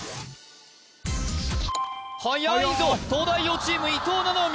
はやいぞ東大王チーム伊藤七海